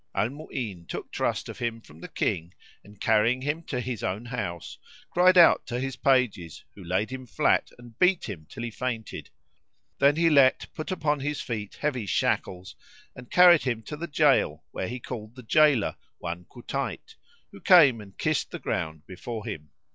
Al Mu'ín took trust of him from the King and, carrying him to his own house, cried out to his pages who laid him flat and beat him till he fainted. Then he let put upon his feet heavy shackles and carried him to the jail, where he called the jailor, one Kutayt,[FN#71] who came and kissed the ground before him.